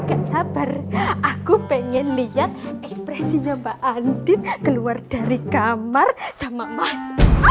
gak sabar aku pengen lihat ekspresinya mbak andi keluar dari kamar sama mas